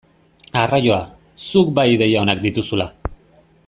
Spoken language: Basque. Arraioa, zuk bai ideia onak dituzula!